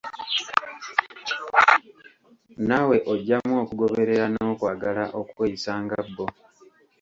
Naawe oggyamu okugoberera n'okwagala okweyisa nga bbo.